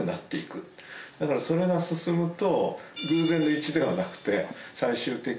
だからそれが進むと。